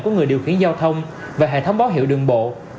của người điều khiển giao thông và hệ thống báo hiệu đường bộ